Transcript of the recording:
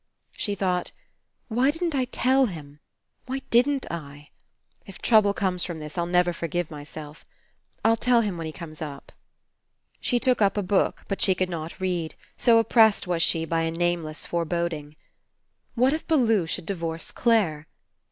She thought: *'Why didn't I tell him? Why didn't I? If trouble comes from this, I'll never forgive myself. I'll tell him when he comes up." She took up a book, but she could not read, so oppressed was she by a nameless fore boding. i86 FINALE What if Bellew should divorce Clare?